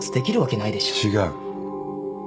違う。